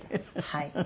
はい。